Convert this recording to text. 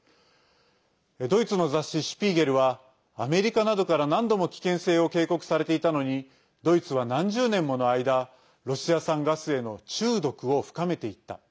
ドイツの雑誌「シュピーゲル」はアメリカなどから何度も危険性を警告されていたのにドイツは何十年もの間ロシア産ガスへの中毒を深めていった。